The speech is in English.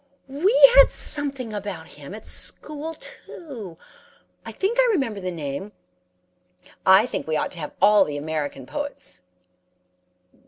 "'We had something about him at school, too. I think I remember the name. I think we ought to have all the American poets.'